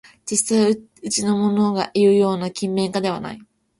しかし実際はうちのものがいうような勤勉家ではない